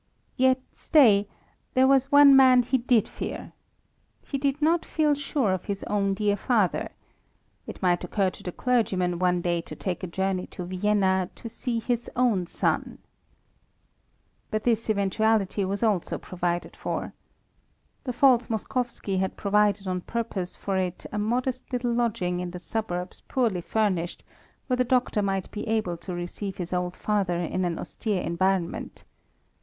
Yet stay; there was one man he did fear. He did not feel sure of his own dear father. It might occur to the clergyman one day to take a journey to Vienna to see his own son. But this eventuality was also provided for. The false Moskowski had provided on purpose for it a modest little lodging in the suburbs poorly furnished, where the doctor might be able to receive his old father in an austere environment.